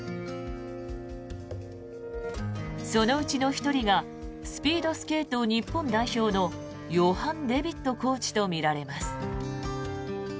そのうちの１人がスピードスケート日本代表のヨハン・デビットコーチとみられます。